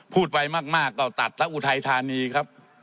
พูดไปมากมากก็ตัดรั๊วถัยธานีครับ